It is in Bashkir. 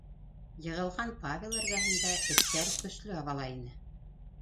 Йығылған Павел эргәһендә эттәр көслө абалай ине.